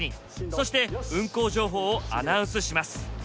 そして運行情報をアナウンスします。